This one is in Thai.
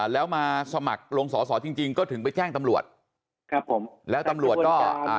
แล้วมาสมัครลงสอสอจริงจริงก็ถึงไปแจ้งตำรวจครับผมแล้วตำรวจก็อ่า